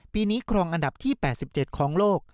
ปีนี้ครองอันดับที่๘๗ของโลก